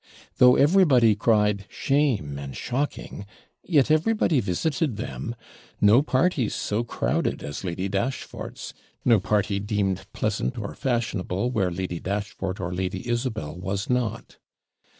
Though everybody cried 'Shame!' and 'shocking!' yet everybody visited them. No parties so crowded as Lady Dashfort's; no party deemed pleasant or fashionable where Lady Dashfort or Lady Isabel was not.